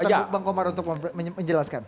biar kasih kesempatan untuk bang omar menjelaskan